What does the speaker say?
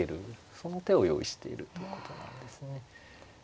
その手を用意しているということなんですね。